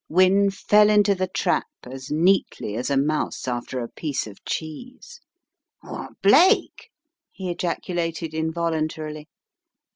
Wynne fell into the trap as neatly as a mouse after a piece of cheese. "What — Blake?" he ejaculated involuntarily.